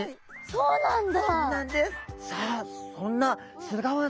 そうなんだ。